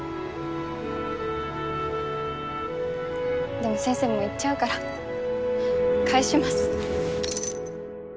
でも先生もう行っちゃうから返します。